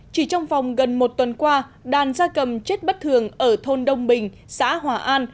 chỉ trong vòng gần một tuần qua đàn gia cầm chết bất thường ở thôn đông bình xã hòa an